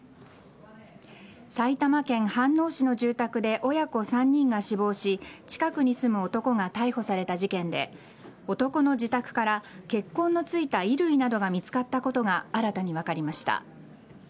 埼玉県飯能市の住宅で親子３人が死亡し近くに住む男が逮捕された事件で男の自宅から血痕のついた衣類などが見つかったことが新たに分かりました。